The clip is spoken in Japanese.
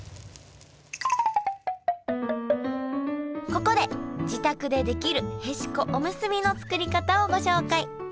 ここで自宅でできるへしこおむすびの作り方をご紹介。